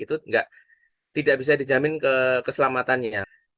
itu tidak bisa dijamin keselamatannya